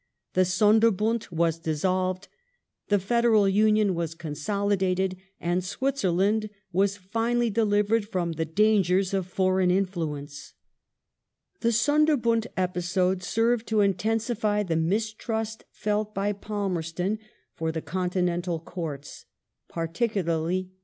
The Sonderbund was dissolved : the federal union was consolidated, and Switzerland was finally delivered from the dangers of foreign interference. The Sonderbund episode served to intensify the mistrust felt by Palmerston for the continental Courts — particularly that of ^ See supra, p. 150.